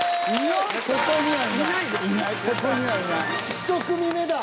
１組目だ。